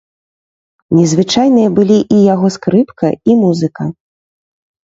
Незвычайныя былі і яго скрыпка, і музыка.